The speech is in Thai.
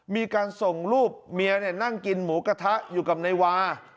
มีการส่งรูปเมียนั่งกินหมูกระทะอยู่กับนายวา